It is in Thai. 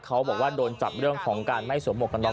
เขาบอกว่าโดนจับเรื่องของการไม่สวมหวกกันน็อ